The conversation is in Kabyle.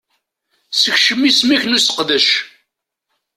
Sekcem isem-ik n useqdac.